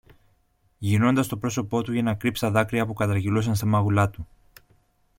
γυρνώντας το πρόσωπο του για να κρύψει τα δάκρυα που κατρακυλούσαν στα μάγουλα του